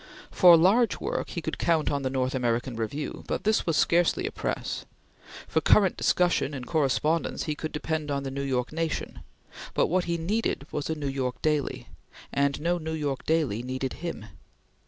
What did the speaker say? For large work he could count on the North American Review, but this was scarcely a press. For current discussion and correspondence, he could depend on the New York Nation; but what he needed was a New York daily, and no New York daily needed him.